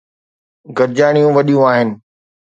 گڏجاڻيون وڏيون آهن.